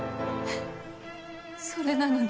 それなのに。